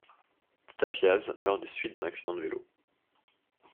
Tita Piaz meurt des suites d'un accident de vélo.